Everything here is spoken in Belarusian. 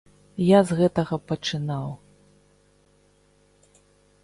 Я з гэтага пачынаў.